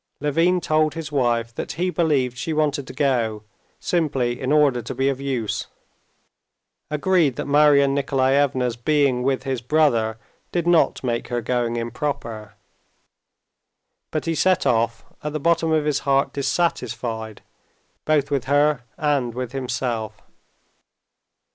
Levin told his wife that he believed she wanted to go simply in order to be of use, agreed that Marya Nikolaevna's being with his brother did not make her going improper, but he set off at the bottom of his heart dissatisfied both with her and with himself.